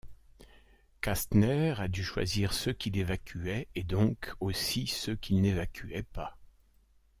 Kastner a dû choisir ceux qu’il évacuait, et donc aussi ceux qu’il n’évacuait pas.